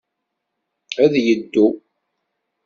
Ad yeddu.